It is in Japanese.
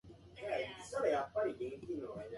法政生は真面目に録音しよう